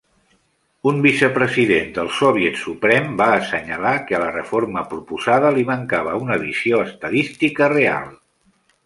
Un vicepresident del Soviet Suprem va assenyalar que a la reforma proposada li mancava una visió estadística real.